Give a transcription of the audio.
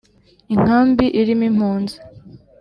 Inkambi irimo impunzi.